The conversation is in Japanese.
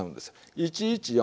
１１４。